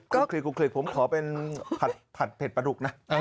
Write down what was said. กุ๊กคลิกผมขอเป็นผัดเผ็ดปะลุกนะ